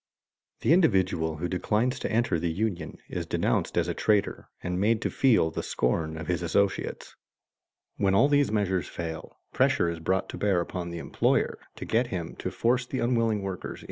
The individual who declines to enter the union is denounced as a traitor and made to feel the scorn of his associates. When all these measures fail, pressure is brought to bear upon the employer to get him to force the unwilling workers into the union.